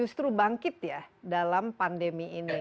justru bangkit ya dalam pandemi ini